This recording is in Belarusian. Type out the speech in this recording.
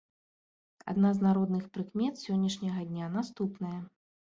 Адна з народных прыкмет сённяшняга дня наступная.